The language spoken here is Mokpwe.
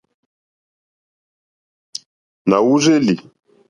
Na wurzeli.